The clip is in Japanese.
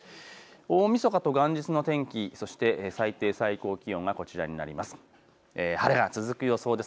大みそかと元日の天気、そして最低最高気温がこちらになります。